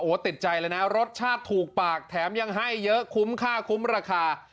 ติดใจเลยนะรสชาติถูกปากแถมยังให้เยอะคุ้มค่าคุ้มราคา